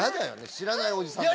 知らないおじさんで。